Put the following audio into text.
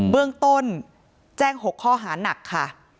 เบื้องต้นแจ้ง๖ข้อหานักค่ะ